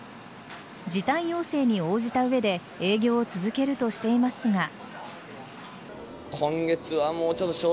時短要請に応じた上で営業を続けるとしていますが。